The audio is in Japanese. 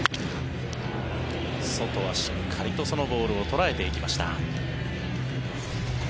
ソトはしっかりとそのボールを捉えていきました。